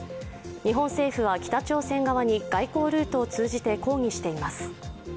日本政府は北朝鮮側に外交ルートを通じて抗議しています。